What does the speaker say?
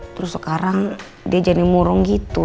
terus sekarang dia jadi murung gitu